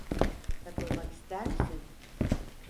Takılmak ister misin?